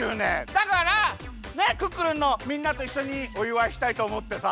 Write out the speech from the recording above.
だからクックルンのみんなといっしょにおいわいしたいとおもってさ。